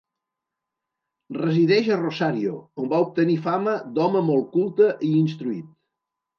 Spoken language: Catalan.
Resideix a Rosario, on va obtenir fama d'home molt culte i instruït.